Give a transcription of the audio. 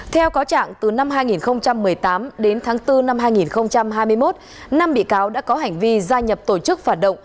theo cáo trạng từ năm hai nghìn một mươi tám đến tháng bốn năm hai nghìn hai mươi một năm bị cáo đã có hành vi gia nhập tổ chức phản động